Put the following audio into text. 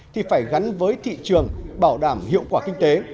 thì phải gắn với thị trường bảo đảm hiệu quả kinh tế